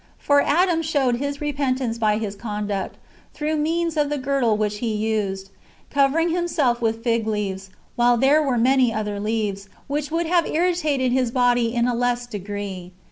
For [Adam] showed his repentance by his conduct, through means of the girdle [which he used], covering himself with fig leaves, while there were many other leaves, which would have irritated his body in a less degree.